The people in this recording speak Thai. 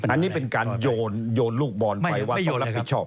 อันนี้เป็นการโยนลูกบอลไปว่ารับผิดชอบ